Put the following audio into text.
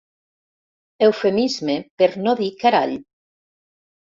Eufemisme per no dir carall.